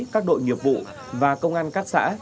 các đội nghiệp vụ và công an các xã